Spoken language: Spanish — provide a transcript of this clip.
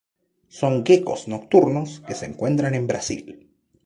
Son geckos nocturnos que se encuentran en Brasil.